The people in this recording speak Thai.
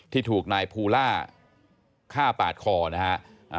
ที่ถูกนายภูล่าฆ่าปาดคอนะฮะ